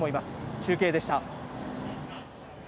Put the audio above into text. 中継でした。